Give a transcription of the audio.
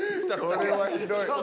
これはひどい。